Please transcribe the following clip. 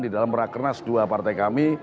di dalam rakernas dua partai kami